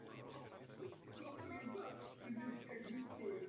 To je upraveno soutěžním řádem turnaje.